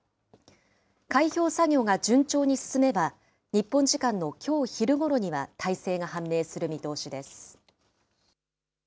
開票作業が順調に進めば、日本時間のきょう昼ごろには大勢が判明する見通しです。